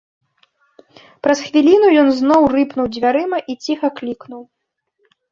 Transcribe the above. Праз хвіліну ён зноў рыпнуў дзвярыма і ціха клікнуў.